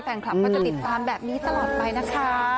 แฟนคลับก็จะติดตามแบบนี้ตลอดไปนะคะ